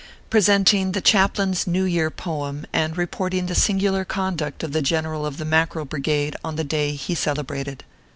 PRESENTING THE CHAPLAIN S NEW YEAR POEM, AND REPORTING THE SINGULAR CONDUCT OF THE GENERAL OF THE MACKEREL BRIGADE ON THE DAY HE CELEBRATED.